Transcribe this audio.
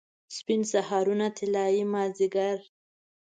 سپین سهارونه، طلايي مازدیګر